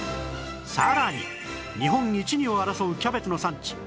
さらに日本一二を争うキャベツの産地